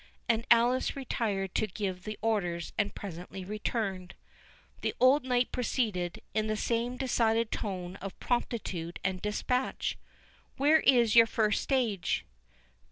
And Alice retired to give the orders, and presently returned. The old knight proceeded, in the same decided tone of promptitude and dispatch—"Which is your first stage?"